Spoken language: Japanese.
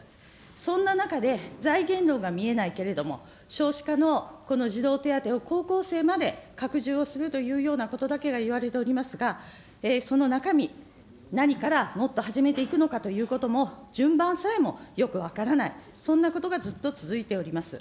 そんな中で、財源論が見えないけれども、少子化のこの児童手当を高校生まで拡充をするというようなことだけがいわれておりますが、その中身、何からもっと始めていくのかということも、順番さえもよく分からない、そんなことがずっと続いております。